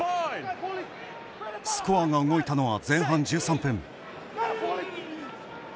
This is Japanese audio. スコアが動いたのは前半１３分。